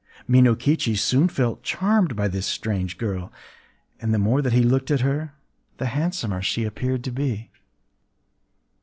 Minokichi soon felt charmed by this strange girl; and the more that he looked at her, the handsomer she appeared to be.